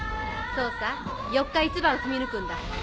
そうさ四日五晩踏み抜くんだ。